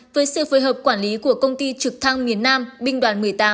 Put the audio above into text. với sự phối hợp quản lý của công ty trực thăng miền nam binh đoàn một mươi tám